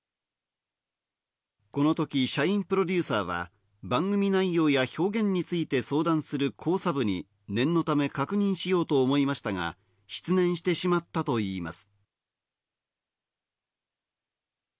この時、社員プロデューサーは、番組内容や表現について相談する考査部に念のため確認しようと思いましたが失念してしまったといいます。